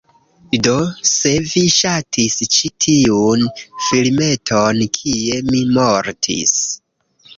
Do, se vi ŝatis ĉi tiun filmeton kie mi mortis